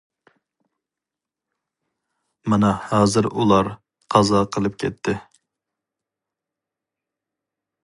مانا ھازىر ئۇلار قازا قىلىپ كەتتى.